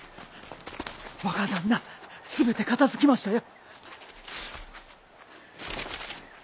若旦那すべて片づきましたよ。